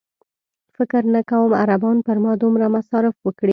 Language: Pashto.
فکر نه کوم عربان پر ما دومره مصارف وکړي.